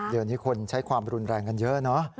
เดี๋ยวนี้คนใช้ความรุนแรงกันเยอะเนอะ